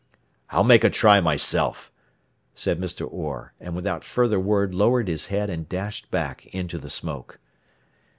"I'll make a try myself," said Mr. Orr, and without further word lowered his head and dashed back into the smoke.